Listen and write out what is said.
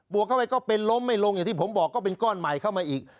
วกเข้าไปก็เป็นล้มไม่ลงอย่างที่ผมบอกก็เป็นก้อนใหม่เข้ามาอีก